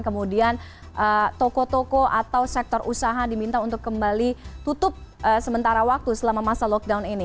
kemudian toko toko atau sektor usaha diminta untuk kembali tutup sementara waktu selama masa lockdown ini